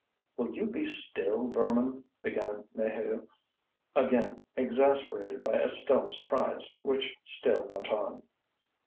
"Will you be still, vermin?" began Maheu, again, exasperated by Estelle's cries which still went on.